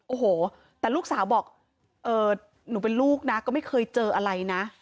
โอ้โหแต่ลูกสาวบอกหนูเป็นลูกนะก็ไม่เคยเจออะไรนะ